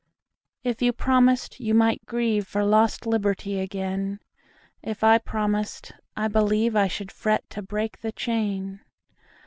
If you promised, you might grieveFor lost liberty again:If I promised, I believeI should fret to break the chain.